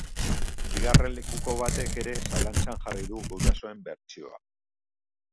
Bigarren lekuko batek ere zalantzan jarri du gurasoen bertsioa.